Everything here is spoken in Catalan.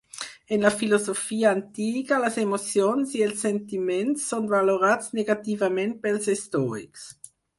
En la filosofia antiga, les emocions i els sentiments són valorats negativament pels estoics.